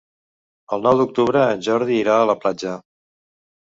El nou d'octubre en Jordi irà a la platja.